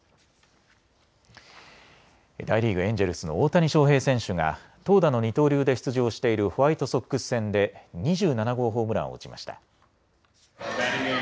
大リーグ、エンジェルスの大谷翔平選手が投打の二刀流で出場しているホワイトソックス戦で２７号ホームランを打ちました。